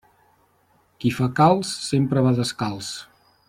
Qui fa calç sempre va descalç.